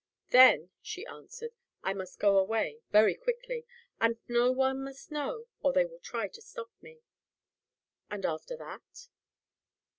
"Then," she answered, "I must go away very quickly. And no one must know, or they will try to stop me." "And after that?"